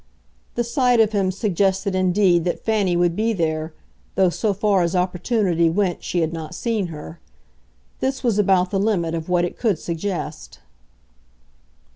The sight of him suggested indeed that Fanny would be there, though so far as opportunity went she had not seen her. This was about the limit of what it could suggest.